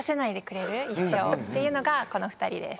一生っていうのがこの２人です。